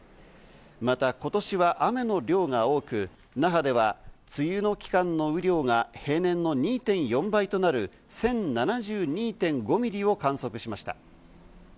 また今年は雨の量が多く、那覇では梅雨の期間の雨量が平年の２．４倍となる１０７２．５ミリを観測しました。